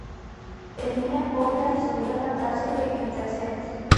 Tenía coplas y solía cantarse en terceras.